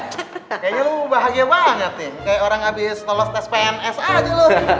kayaknya lo bahagia banget nih kayak orang abis tolos tes pns aja lo